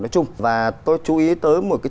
nói chung và tôi chú ý tới một cái